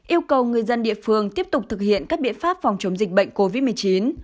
yêu cầu người dân địa phương tiếp tục thực hiện các biện pháp phòng chống dịch bệnh covid một mươi chín